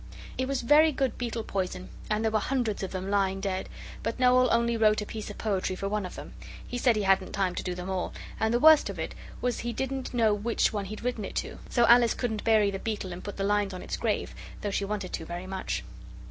It was very good beetle poison, and there were hundreds of them lying dead but Noel only wrote a piece of poetry for one of them. He said he hadn't time to do them all, and the worst of it was he didn't know which one he'd written it to so Alice couldn't bury the beetle and put the lines on its grave, though she wanted to very much.